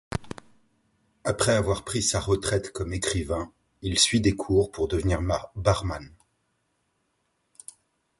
Après avoir pris sa retraite comme écrivain, il suit des cours pour devenir barman.